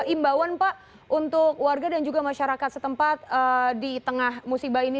imbauan pak untuk warga dan juga masyarakat setempat di tengah musibah ini